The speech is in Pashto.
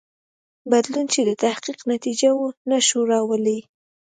بدلون چې د تحقیق نتیجه وه نه شو راوړلای.